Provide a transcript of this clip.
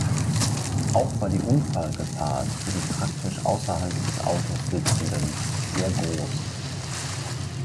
Auch war die Unfallgefahr für die praktisch außerhalb des Autos Sitzenden sehr groß.